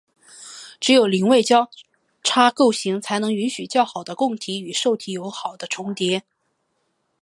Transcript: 只有邻位交叉构型才能允许较好的供体与受体有好的重叠。